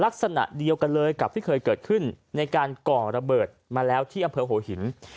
ลักษณะเดียวกันเลยกับที่เคยเกิดขึ้นในการก่อระเบิดมาแล้วที่อำเภอหัวหิน